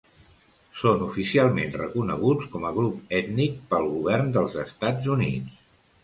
Són oficialment reconeguts com a grup ètnic pel govern dels Estats Units.